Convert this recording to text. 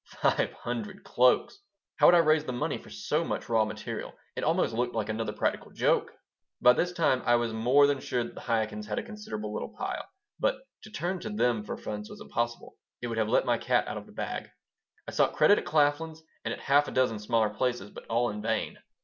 Five hundred cloaks! How would I raise the money for so much raw material? It almost looked like another practical joke By this time I was more than sure that the Chaikins had a considerable little pile, but to turn to them for funds was impossible. It would have let my cat out of the bag. I sought credit at Claflin's and at half a dozen smaller places, but all in vain.